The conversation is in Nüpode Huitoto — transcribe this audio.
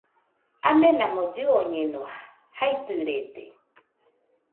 Amenamo llɨoñeno, jaidɨrede